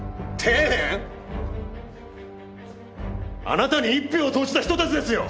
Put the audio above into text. あなたに一票を投じた人たちですよ！